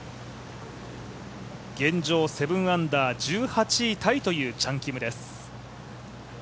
現状７アンダー１８位タイというチャン・キム。